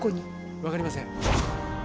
分かりません！